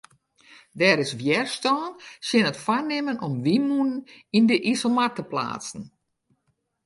Der is wjerstân tsjin it foarnimmen om wynmûnen yn de Iselmar te pleatsen.